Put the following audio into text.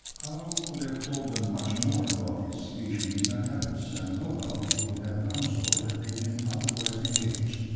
Karl could have told them much more about its species and habits, and no doubt he would have done so had they been otherwise engaged.